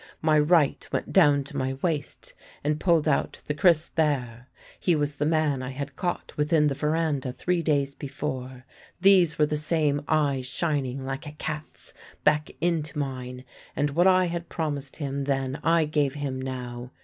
My right went down to my waist and pulled out the kris there. He was the man I had caught within the verandah three days before; these were the same eyes shining, like a cat's, back into mine, and what I had promised him then I gave him now.